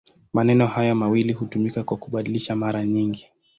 Maneno haya mawili hutumika kwa kubadilishana mara nyingi.